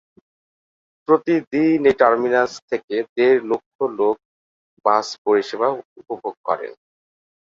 প্রতিদিন এই টার্মিনাস থেকে দেড় লক্ষ লোক বাস পরিষেবা উপভোগ করেন।